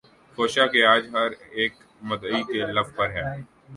خوشا کہ آج ہر اک مدعی کے لب پر ہے